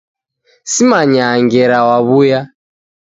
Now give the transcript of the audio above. Simanyaa ngera wawuya